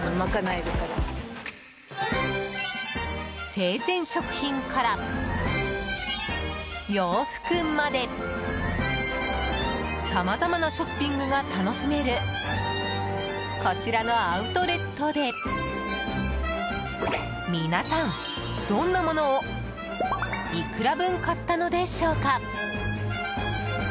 生鮮食品から洋服までさまざまなショッピングが楽しめるこちらのアウトレットで皆さん、どんなものをいくら分買ったのでしょうか。